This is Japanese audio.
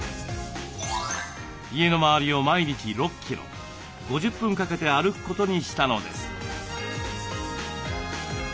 家の周りを毎日６キロ５０分かけて歩くことにしたのです。